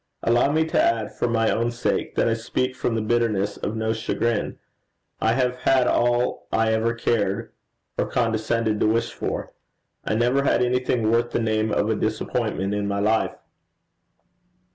Allow me to add, for my own sake, that I speak from the bitterness of no chagrin. I have had all I ever cared or condescended to wish for. I never had anything worth the name of a disappointment in my life.'